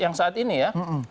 yang saat ini ya